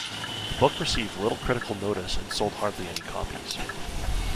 The book received little critical notice and sold hardly any copies.